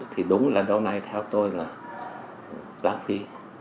thì đúng là lâu nay theo tôi là đáng đi